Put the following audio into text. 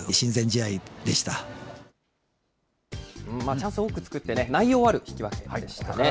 チャンス多く作ってね、内容ある引き分けでしたね。